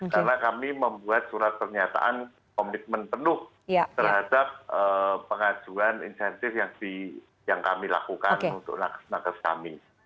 karena kami membuat surat pernyataan komitmen penuh terhadap pengajuan insentif yang kami lakukan untuk nakes kami